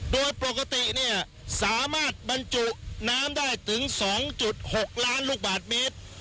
โดยปกติเนี่ยสามารถบรรจุน้ำได้ถึง๒๖ล้านลูกบาทเมตร